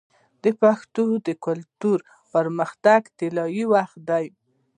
دا د پښتو کلتور د پرمختګ طلایی وخت دی.